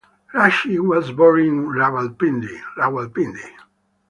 Rashid was born in Rawalpindi.